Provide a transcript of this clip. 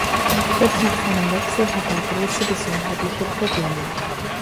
Kurz nach seinem Wechsel hatte er große gesundheitliche Probleme.